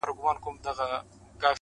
لمر چي د ميني زوال ووهي ويده سمه زه ـ